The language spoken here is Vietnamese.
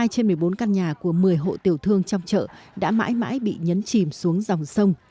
một mươi trên một mươi bốn căn nhà của một mươi hộ tiểu thương trong chợ đã mãi mãi bị nhấn chìm xuống dòng sông